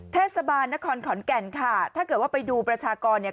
เทศบาลนครขอนแก่นค่ะถ้าเกิดว่าไปดูประชากรเนี่ย